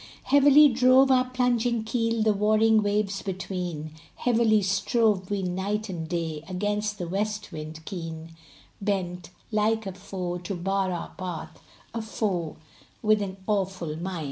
Heavily drove our plunging keel The warring waves between; Heavily strove we night and day, Against the west wind keen, Bent, like a foe, to bar our path, A foe with an awful mien.